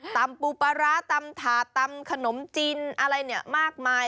ตำปูปะระตำฐาตำขนมจินอะไรมากมาย